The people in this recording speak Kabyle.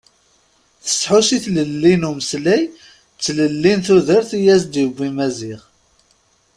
Tesḥus i tlelli n umeslay d tlelli n tudert i as-d-yewwi Maziɣ.